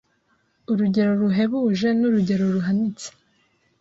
Urugero ruhebuje n’urugero ruhanitse.